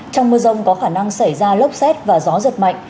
trong mưa rông có khả năng xảy ra lốc xét và gió giật mạnh